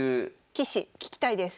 棋士聞きたいです。